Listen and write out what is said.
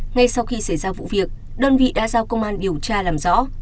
ngay sau khi xảy ra vụ việc đơn vị đã giao công an điều tra làm rõ